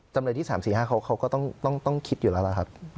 จำเลยที่๓๔๕เขาก็ต้องคิดอยู่แล้วล่ะครับ